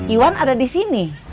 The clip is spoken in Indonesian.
iwan ada di sini